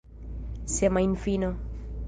semajnfino